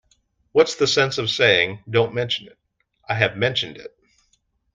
What's the sense of saying, 'Don't mention it'? I have mentioned it.